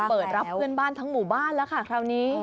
เปิดรับเพื่อนบ้านทั้งหมู่บ้านแล้วค่ะคราวนี้